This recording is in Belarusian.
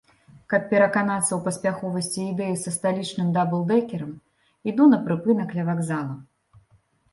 Каб пераканацца ў паспяховасці ідэі са сталічным даблдэкерам, іду на прыпынак ля вакзала.